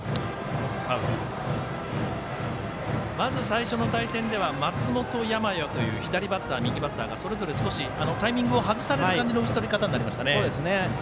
まず、最初の対戦では松本、山家という左バッター、右バッターがそれぞれ少しタイミングを外される感じの打ち取られ方になりました。